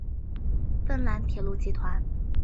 芬兰铁路集团。